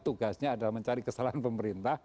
tugasnya adalah mencari kesalahan pemerintah